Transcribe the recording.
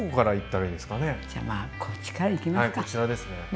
はいこちらですね。